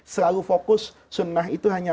selalu fokus sunnah itu hanya